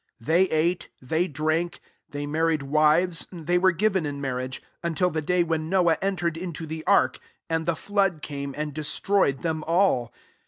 27 They ate, they drank, they mar^ ricd wivcsi they were given in marriage; until the day when Noah entered into the ark ; and the flood came, and destroyed them all.